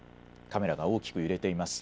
カメラが大きく揺れています。